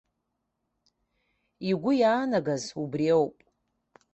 Игәы иаанагаз убриоуп.